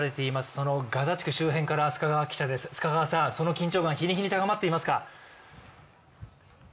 そのガザ地区周辺から須賀川記者です、緊張感は日に日に高まっていますか？